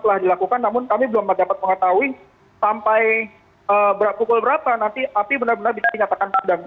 telah dilakukan namun kami belum dapat mengetahui sampai pukul berapa nanti api benar benar bisa dinyatakan padam